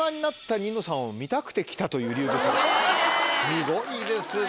すごいですね。